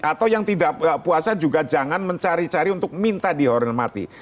atau yang tidak puasa juga jangan mencari cari untuk minta dihormati